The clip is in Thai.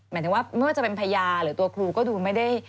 หมายถึงว่าไม่ว่าจะเป็นพญาหรือตัวครูก็ดูไม่ได้